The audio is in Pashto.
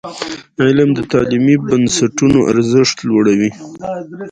علم د تعلیمي بنسټونو ارزښت لوړوي.